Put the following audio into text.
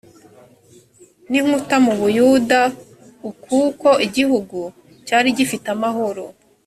n inkuta mu buyuda u kuko igihugu cyari gifite amahoro